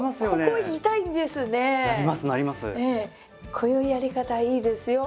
こういうやり方いいですよ。